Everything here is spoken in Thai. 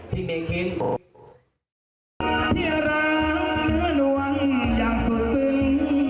มีความที่จะขอให้มีเท่าใครคนหนึ่ง